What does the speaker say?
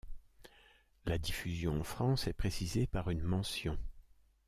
La diffusion en France est précisée par une mention.